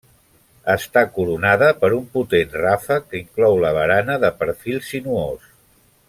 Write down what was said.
Està coronada per un potent ràfec que inclou la barana, de perfil sinuós.